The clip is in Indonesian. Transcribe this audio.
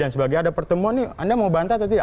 dan sebagai ada pertemuan nih anda mau bantah atau tidak